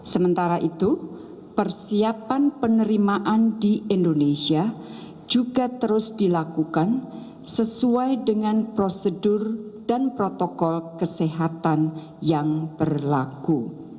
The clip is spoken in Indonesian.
sementara itu persiapan penerimaan di indonesia juga terus dilakukan sesuai dengan prosedur dan protokol kesehatan yang berlaku